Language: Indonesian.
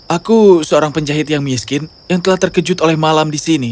aku seorang penjahit yang miskin yang telah terkejut oleh malam di sini